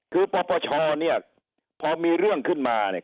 คือปปชเนี่ยพอมีเรื่องขึ้นมาเนี่ย